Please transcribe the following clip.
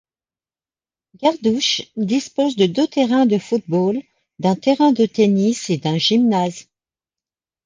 Gardouch dispose de deux terrains de football, d'un terrain de tennis et d'un gymnase.